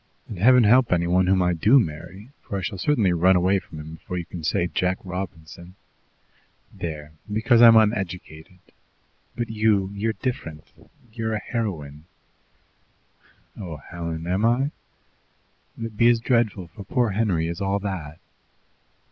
And Heaven help any one whom I do marry, for I shall certainly run away from him before you can say 'Jack Robinson.' There! Because I'm uneducated. But you, you're different; you're a heroine." "Oh, Helen! Am I? Will it be as dreadful for poor Henry as all that?"